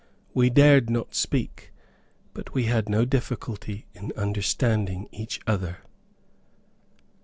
We dared not speak, but we had no difficulty in understanding each other.